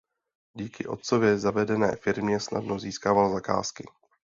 Díky otcově zavedené firmě snadno získával zakázky.